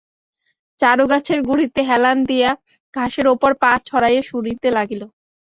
চারু গাছের গুঁড়িতে হেলান দিয়া ঘাসের উপর পা ছড়াইয়া শুনিতে লাগিল।